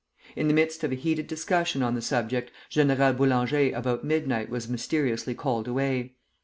In the midst of a heated discussion on the subject, General Boulanger about midnight was mysteriously called away.